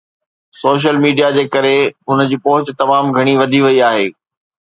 Social media جي ڪري ان جي پهچ تمام گهڻي وڌي وئي آهي.